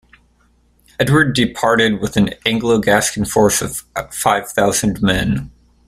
Edward departed with an Anglo-Gascon force of five thousand men.